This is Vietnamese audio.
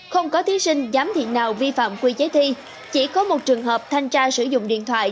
không có thí sinh giám thị nào vi phạm quy chế thi chỉ có một trường hợp thanh tra sử dụng điện thoại